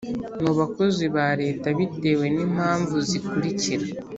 mu bakozi ba leta, bitewe n’impamvu zikurikira: